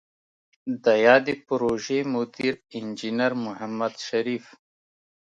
د یادې پروژې مدیر انجنیر محمد شریف